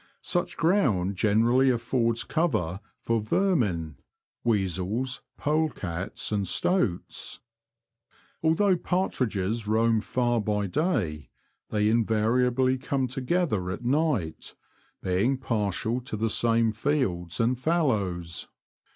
Such ground generally affords cover for vermin — weazels, polecats, and stoats. Al though partridges roam far by day, they invariably come together at night, being par tial to the same fields and fallows.